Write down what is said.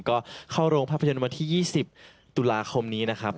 ก็เข้าโรงภาพยนตร์วันที่๒๐ตุลาคมนี้นะครับ